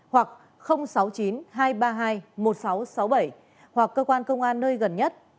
hoặc sáu mươi chín hai trăm ba mươi hai một nghìn sáu trăm sáu mươi bảy hoặc cơ quan công an nơi gần nhất